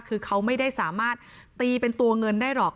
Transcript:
คือเขาไม่ได้สามารถตีเป็นตัวเงินได้หรอก